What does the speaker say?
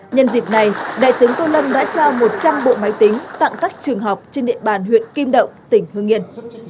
nhân dịp này đại tướng tô lâm đã trao một trăm linh bộ máy tính tặng các trường học trên địa bàn huyện kim động tỉnh hương yên